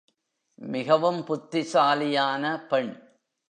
மிகவும் புத்திசாலியான பெண்.